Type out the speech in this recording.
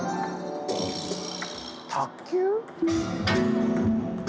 卓球？